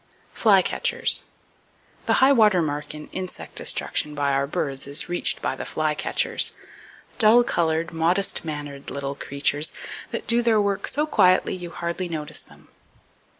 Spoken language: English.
(F.E.L. Beal.) Flycatchers. —The high water mark in insect destruction by our birds is [Page 223] reached by the flycatchers,—dull colored, modest mannered little creatures that do their work so quietly you hardly notice them.